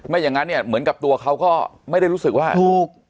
อย่างนั้นเนี่ยเหมือนกับตัวเขาก็ไม่ได้รู้สึกว่าถูก